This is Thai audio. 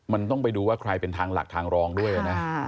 มันต้องไปดูว่าใครเป็นทางหลักทางรองด้วยนะ